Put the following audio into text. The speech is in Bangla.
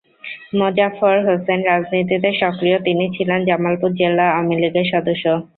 মোজাফফর হোসেন রাজনীতিতে সক্রিয় তিনি ছিলেন জামালপুর জেলা আওয়ামী লীগের সদস্য।